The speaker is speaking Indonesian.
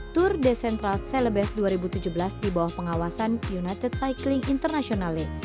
tur desentral celebes dua ribu tujuh belas di bawah pengawasan united cycling internationale